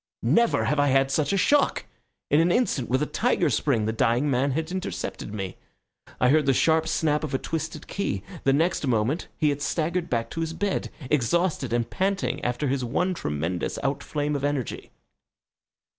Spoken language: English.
Never have I had such a shock! In an instant, with a tiger spring, the dying man had intercepted me. I heard the sharp snap of a twisted key. The next moment he had staggered back to his bed, exhausted and panting after his one tremendous outflame of energy.